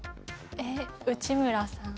えっ内村さん？